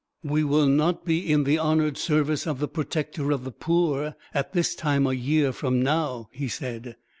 "We will not be in the honoured service of the Protector of the Poor at this time a year from now," he said.